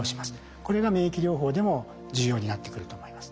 これが免疫療法でも重要になってくると思います。